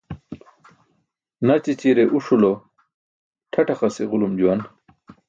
Naćićire uṣu lo ṭʰaṭaqas i̇ġulum juwan.